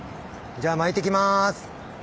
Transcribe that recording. じゃあ巻いてきます！